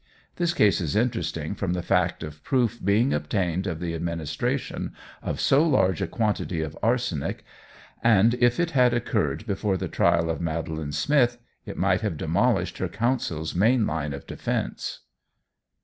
This case is interesting from the fact of proof being obtained of the administration of so large a quantity of arsenic, and if it had occurred before the trial of Madeline Smith it might have demolished her counsel's main line of defence.